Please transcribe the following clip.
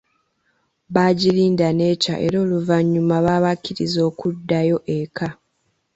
Baagirinda nekya era oluvanyuma baabakkiriza okuddayo eka.